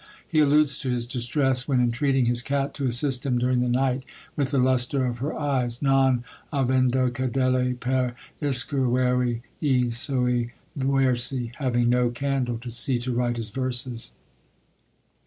He alludes to his distress when, entreating his cat to assist him, during the night, with the lustre of her eyes "Non avendo candele per iscrivere i suoi versi!" having no candle to see to write his verses.